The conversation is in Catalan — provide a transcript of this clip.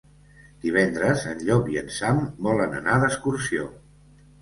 Divendres en Llop i en Sam volen anar d'excursió.